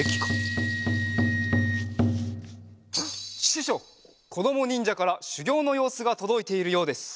ししょうこどもにんじゃからしゅぎょうのようすがとどいているようです。